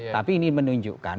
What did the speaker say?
tapi ini menunjukkan